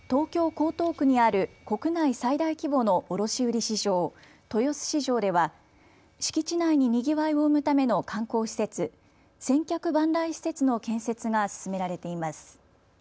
江東区にある国内最大規模の卸売市場、豊洲市場では敷地内ににぎわいを生むための観光施設、千客万来施設の建設が進められています。